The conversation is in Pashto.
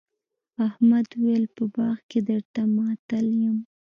احمد وويل: په باغ کې درته ماتل یم.